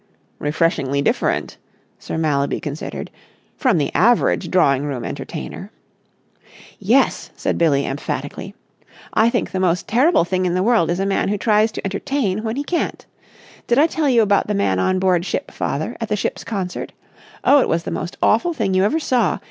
"Refreshingly different," Sir Mallaby considered, "from the average drawing room entertainer." "Yes," said Billie emphatically. "I think the most terrible thing in the world is a man who tries to entertain when he can't. Did I tell you about the man on board ship, father, at the ship's concert? Oh, it was the most awful thing you ever saw.